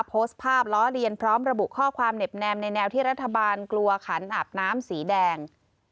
โพสต์ภาพล้อเลียนพร้อมระบุข้อความเหน็บแนมในแนวที่รัฐบาลกลัวขันอาบน้ำสีแดง